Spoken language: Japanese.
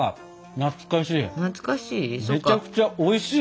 懐かしい？